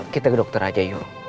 kita ke dokter aja yuk